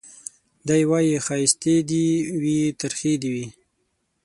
دی وايي ښايستې دي وي ترخې دي وي